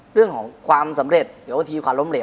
เรื่องของความสำเร็จเดี๋ยวก็ทีความล้มเหลี่ยว